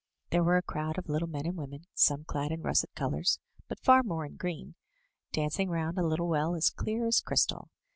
There were a crowd of little men and women, some clad in russet colour, but far more in green, dancing round a little well as clear as crystal.